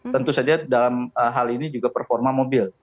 tentu saja dalam hal ini juga performa mobil